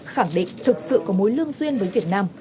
khẳng định thực sự có mối lương duyên với việt nam